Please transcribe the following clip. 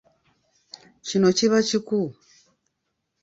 Kino kiba kiku.